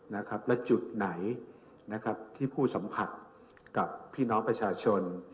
และจุดไหนนะครับที่ผู้สัมผัสกับพี่น้องประชาชน